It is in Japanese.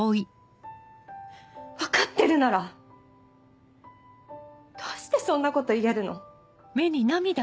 分かってるならどうしてそんなこと言えるの？